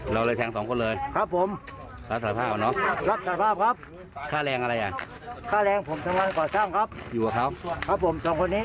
เราเลยแทง๒คนเลยครับผมรับสนับผ้าป่ะเนาะครับผม